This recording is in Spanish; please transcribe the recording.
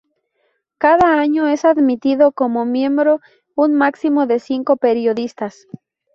Cada año es admitido como miembro un máximo de cinco periodistas.